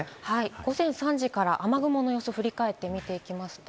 午前３時から雨雲の様子を振り返ってみていきます。